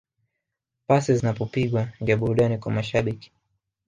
Pasi zinapopigwa ndiyo burudani kwa mashabiki